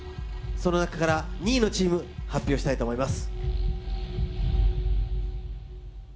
その中から２位のチーム、発表したいと思います。